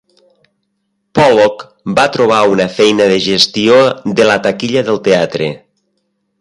Pollock va trobar una feina de gestió de la taquilla del teatre.